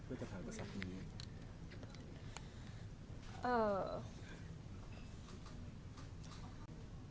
เพื่อจะผ่านกับสัตว์นี้